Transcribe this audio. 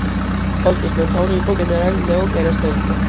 პოლკის მეთაური იყო გენერალი ლეო კერესელიძე.